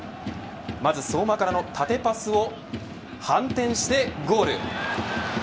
まず相馬からの縦パスを反転してゴール。